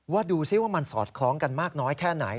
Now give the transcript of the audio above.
ดูสิว่ามันสอดคล้องกันมากน้อยแค่ไหน